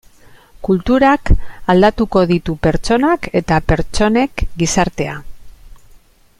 Kulturak aldatuko ditu pertsonak eta pertsonek gizartea.